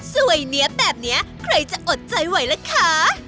สวยเนี๊ยบแบบนี้ใครจะอดใจไหวล่ะคะ